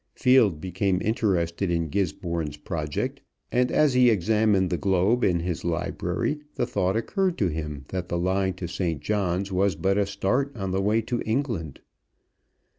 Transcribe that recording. Field became interested in Gisborne's project, and as he examined the globe in his library the thought occurred to him that the line to St. John's was but a start on the way to England.